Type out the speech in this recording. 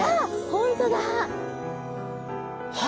本当だ！